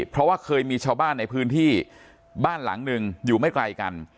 เพราะว่าเคยมีชาวบ้านในพื้นที่บ้านหลังหนึ่งอยู่ไม่ไกลกัน